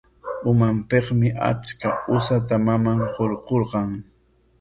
Umanpikmi achka usata maman hurquykan.